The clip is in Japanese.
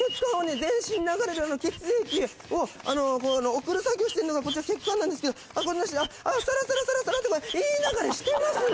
全身流れる血液を送る作業してるのがこちら血管なんですけどサラサラサラサラっていい流れしてますね